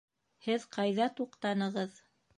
Һеҙ ҡайҙа туҡтанығыҙ?